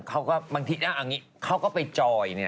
เค้าก็บางทีเอาอย่างงี้เค้าก็ไปจอยเนี่ย